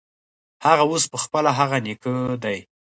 هغه اوس پخپله هغه نیکه دی.